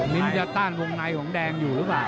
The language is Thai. มิ้นจะต้านวงในของแดงอยู่หรือเปล่า